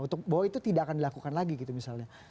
untuk bahwa itu tidak akan dilakukan lagi gitu misalnya